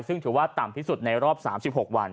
ซึ่งถือว่าต่ำที่สุดในรอบ๓๖วัน